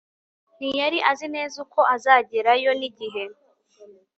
Ntiyari azi neza uko azagerayo nigihe